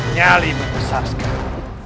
nyali membesar sekarang